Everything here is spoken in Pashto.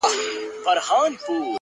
اوس د دې څيزونو حرکت بې هوښه سوی دی!!